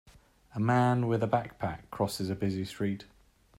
A man with a backpack crosses a busy street.